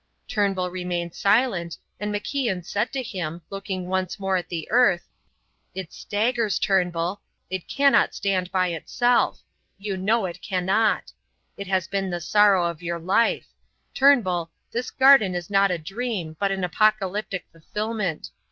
Turnbull remained silent, and MacIan said to him, looking once more at the earth: "It staggers, Turnbull. It cannot stand by itself; you know it cannot. It has been the sorrow of your life. Turnbull, this garden is not a dream, but an apocalyptic fulfilment.